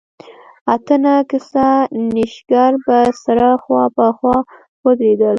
اته نه کسه نېشګر به سره خوا په خوا ودرېدل.